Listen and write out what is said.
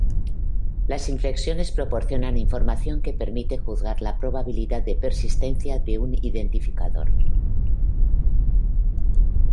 Las inflexiones proporcionan información que permite juzgar la probabilidad de persistencia de un identificador.